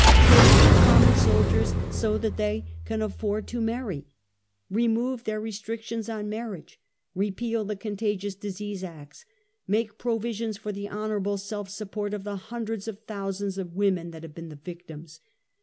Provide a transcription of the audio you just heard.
Pay her common soldiers so that they can afford to marry ; remove their restrictions on marriage ; re peal the Contagious Disease Acts ; make provisions for the honorable self support of the hundreds of thousands of women that have been the victims.